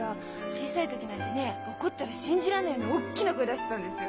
小さい時なんてねえ怒ったら信じられないようなおっきな声出してたんですよ。